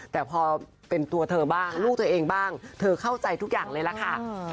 แต่พอเป็นตัวเธอบ้างลูกตัวเองบ้างเธอเข้าใจทุกอย่างเลยล่ะค่ะ